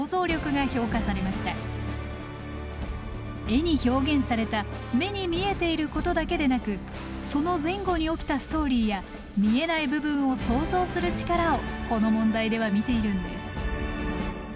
絵に表現された目に見えていることだけでなくその前後に起きたストーリーや見えない部分を想像する力をこの問題では見ているんです。